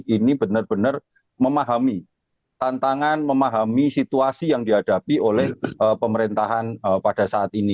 ini benar benar memahami tantangan memahami situasi yang dihadapi oleh pemerintahan pada saat ini